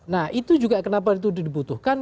nah itu juga kenapa itu dibutuhkan